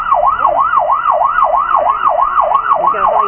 กิ๊ดซ้ายไปก่อนนะครับฉุกเฉินเท่ากันแม่นะครับ